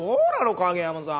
影山さん。